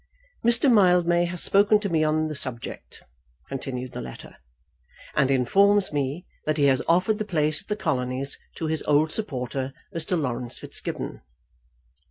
"Mr. Mildmay has spoken to me on the subject," continued the letter, "and informs me that he has offered the place at the colonies to his old supporter, Mr. Laurence Fitzgibbon."